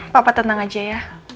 papa tenang aja ya